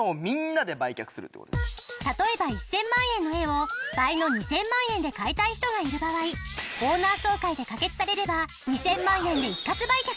例えば１０００万円の絵を倍の２０００万円で買いたい人がいる場合オーナー総会で可決されれば２０００万円で一括売却